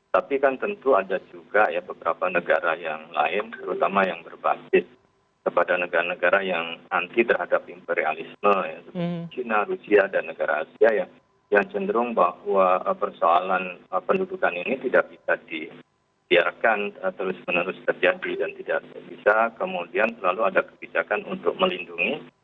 tapi kan tentu ada juga beberapa negara yang lain terutama yang berbasis kepada negara negara yang anti terhadap imperialisme china rusia dan negara asia yang cenderung bahwa persoalan pendudukan ini tidak bisa disiarkan terus menerus terjadi dan tidak bisa kemudian lalu ada kebijakan untuk melindungi